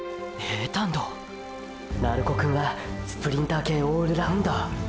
鳴子くんはスプリンター系オールラウンダー！！